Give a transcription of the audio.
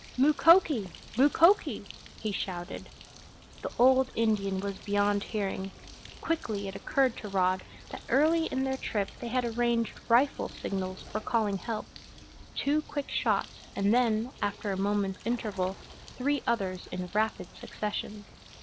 "Mukoki! Mukoki!" he shouted. The old Indian was beyond hearing. Quickly it occurred to Rod that early in their trip they had arranged rifle signals for calling help two quick shots, and then, after a moment's interval, three others in rapid succession.